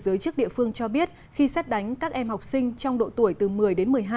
giới chức địa phương cho biết khi xét đánh các em học sinh trong độ tuổi từ một mươi đến một mươi hai